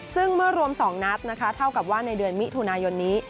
ซึ่งเมื่อรวม๒นัดนะคะเท่ากับว่าในเดือนมิถุนายนนี้